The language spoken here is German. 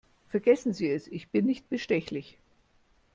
Vergessen Sie es, ich bin nicht bestechlich.